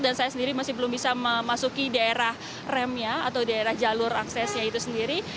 dan saya sendiri masih belum bisa memasuki daerah remnya atau daerah jalur aksesnya itu sendiri